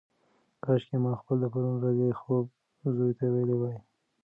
کاشکي ما خپل د پرون ورځې خوب زوی ته ویلی وای.